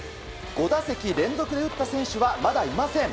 ５打席連続で打った選手はまだいません。